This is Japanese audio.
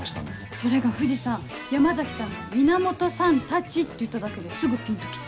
それが藤さん山崎さんが「源さんたち」って言っただけですぐピンと来て。